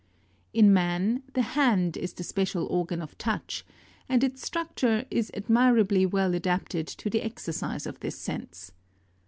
17. In man, the hand is the special organ of touch, and its structure is admirably well adapted to the exercise of this sense.